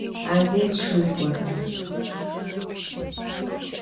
Aziz şım got.